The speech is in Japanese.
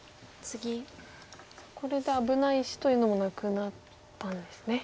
これで危ない石というのもなくなったんですね。